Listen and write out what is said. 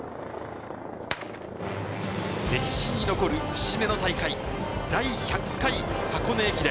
歴史に残る節目の大会、第１００回箱根駅伝。